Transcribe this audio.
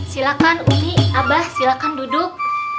silakan umi abah silakan duduk